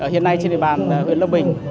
hiện nay trên địa bàn huyện lâm bình